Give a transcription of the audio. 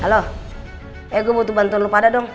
halo eh gue butuh bantuan lo pada dong